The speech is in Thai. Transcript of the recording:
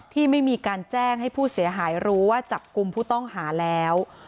ที่ไม่มีการแจ้งให้ผู้เสียหายรู้ว่าจับกลุ่มผู้ต้องหาแล้ว